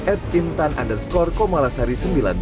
at pintan underscore komalasari sembilan puluh dua